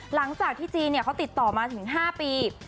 หลังจากที่จีนเขาติดต่อมาถึง๕ปี